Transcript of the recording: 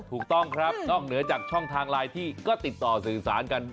ถูกต้องครับนอกเหนือจากช่องทางไลน์ที่ก็ติดต่อสื่อสารกัน